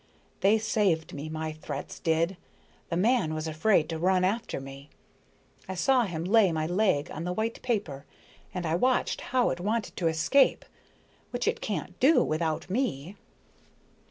They saved me, my threats did, the man was afraid to run after me. I saw him lay my leg on the white paper, and I watched how it wanted to escape which it can't do without me."